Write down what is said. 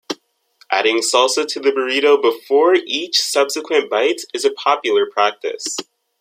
Adding salsa to the burrito before each subsequent bite is a popular practice.